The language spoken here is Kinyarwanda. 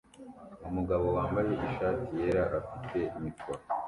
Umugabo wambaye ishati yera afite mikoro